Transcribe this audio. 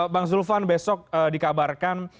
bang zulfan besok dikabarkan